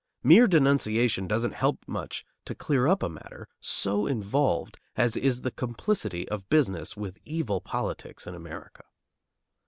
Mere denunciation doesn't help much to clear up a matter so involved as is the complicity of business with evil politics in America.